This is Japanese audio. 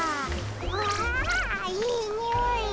うわいいにおい。